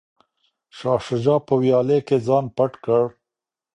شاه شجاع په ویالې کې ځان پټ کړ.